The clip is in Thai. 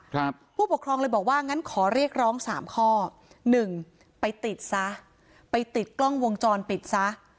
ผู้ปกครองเลยบอกว่างั้นขอเรียกร้องสามข้อหนึ่งไปติดซะไปติดกล้องวงจรปิดซะ